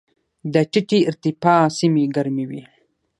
د ټیټې ارتفاع سیمې ګرمې وي.